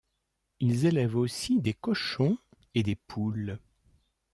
Ils élèvent aussi des cochons et des poules.